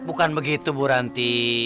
bukan begitu bu ranti